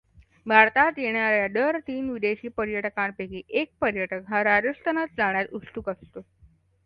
भारतात येणार् या दर तीन विदेशी पर्यटकांपैकी एक पर्यटक हा राजस्थानात जाण्यास उत्सुक असतो.